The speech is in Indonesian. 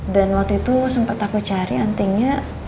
dan waktu itu sempat aku cari antingnya